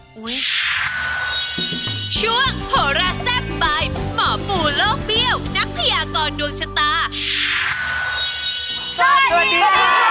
หมูปองมีหมอปูหมอปูมีหมอปูนี่